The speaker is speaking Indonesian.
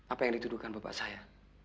apa yang dituduhkan bapak saya